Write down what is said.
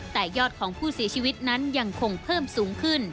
แต่ยอดของผู้เสียชีวิตนั้นยังคงเพิ่มสูงขึ้น